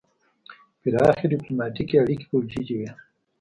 پراخې ډیپلوماتیکې اړیکې موجودې وې.